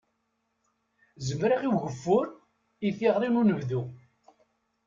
Zemreɣ i ugeffur i tirɣi n unebdu.